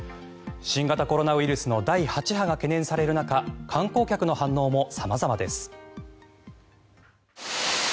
新型コロナウイルスの第８波が懸念される中観光客の反応も様々です。